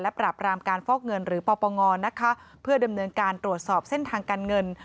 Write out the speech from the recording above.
ปราบรามการฟอกเงินหรือปปงนะคะเพื่อดำเนินการตรวจสอบเส้นทางการเงิน